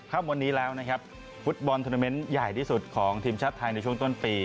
วันนี้แล้วนะครับฟุตบอลทวนาเมนต์ใหญ่ที่สุดของทีมชาติไทยในช่วงต้นปี